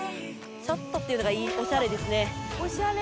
ちょっとっていうのがおしゃれですね。